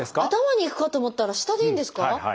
頭にいくかと思ったら下でいいんですか？